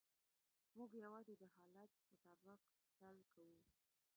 موږ یوازې د حالت مطابق چل کوو.